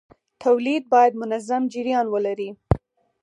تولید باید منظم جریان ولري.